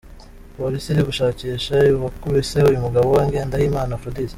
Polisi iri gushakisha uwakubise uyu mugabo Ngendahimana Aphrodis.